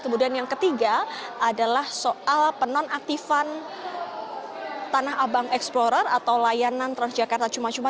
kemudian yang ketiga adalah soal penonaktifan tanah abang explorer atau layanan transjakarta cuma cuma